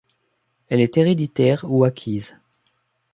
Elle est héréditaire ou acquise.